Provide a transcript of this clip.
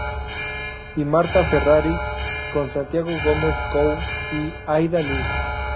Y "Marta Ferrari" con Santiago Gómez Cou y Aída Luz.